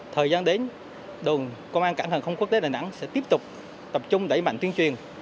thời gian đến đồn công an cảng hàng không quốc tế đà nẵng sẽ tiếp tục tập trung đẩy mạnh tuyên truyền